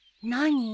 何？